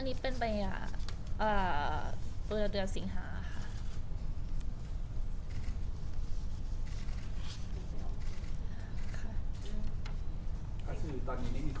อันนี้เป็นมายากตัวเดือดสิงหาค่ะ